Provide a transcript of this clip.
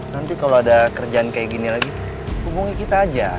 nanti kalau ada kerjaan kayak gini lagi hubungi kita aja